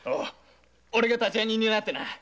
オレが立合人になってな。